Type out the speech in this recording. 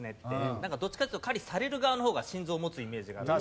なんかどっちかっていうと狩りされる側の方が心臓持つイメージがあるんで。